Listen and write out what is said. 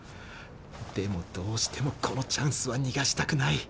でもどうしてもこのチャンスは逃がしたくない